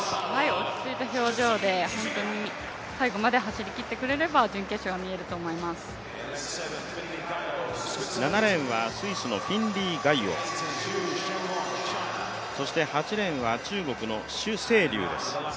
落ち着いた表情で、本当に最後まで走りきってくれれば７レーンはスイスのフィンリー・ガイオ、そして８レーンは中国の朱勝龍です。